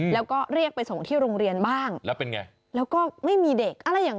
แล้วก็เรียกไปส่งที่โรงเรียนบ้างแล้วเป็นไงแล้วก็ไม่มีเด็กอะไรอย่าง